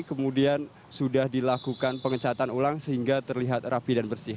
kemudian sudah dilakukan pengecatan ulang sehingga terlihat rapi dan bersih